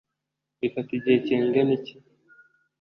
bifata igihe kingana iki